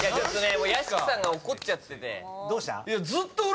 もう屋敷さんが怒っちゃってて。